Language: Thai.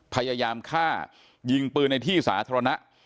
พยายามฆ่ายิงปืนในที่สาธารณะ